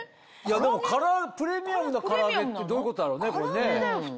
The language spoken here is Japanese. でもプレミアムなから揚げってどういうことだろうねこれね。